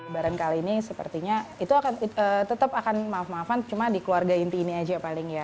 barangkali ini sepertinya itu akan tetap akan maaf maafan cuma di keluarga inti ini aja paling ya